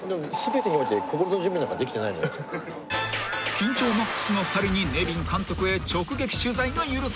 ［緊張マックスの２人にネビン監督へ直撃取材が許された］